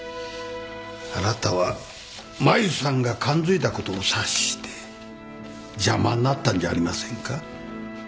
あなたはマユさんが感づいたことを察して邪魔になったんじゃありませんか？